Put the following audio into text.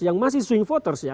yang masih swing voters ya